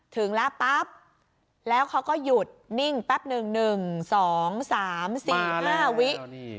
ถึงแล้วปั๊บแล้วเขาก็หยุดนิ่งปั๊บหนึ่งหนึ่งสองสามสี่ห้าวินาที